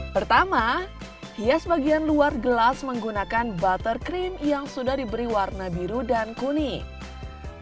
pertama hias bagian luar gelas menggunakan butter cream yang sudah diberi warna biru dan kuning